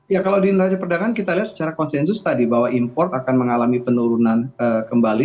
ya kalau di neraca perdagangan kita lihat secara konsensus tadi bahwa import akan mengalami penurunan kembali